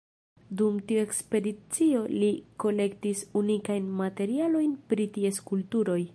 Dum tiu ekspedicio li kolektis unikajn materialojn pri ties kulturoj.